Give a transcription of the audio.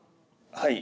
はい。